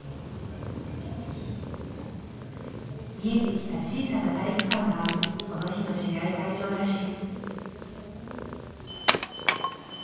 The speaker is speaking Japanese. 見えてきた小さな体育館がこの日の試合会場らしい。